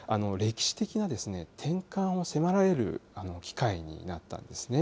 歴史的な転換を迫られる機会になったんですね。